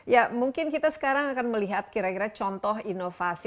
ya mungkin kita sekarang akan melihat kira kira contoh inovasi